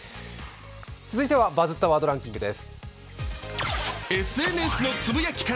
続いては「バズったワードランキング」です。